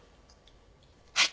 はい。